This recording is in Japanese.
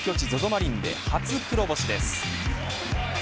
マリンで初黒星です。